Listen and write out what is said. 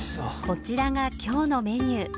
こちらが今日のメニュー。